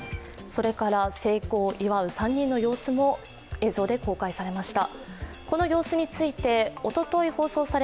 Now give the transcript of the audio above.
それから成功を祝う３人の様子も映像で公開されました。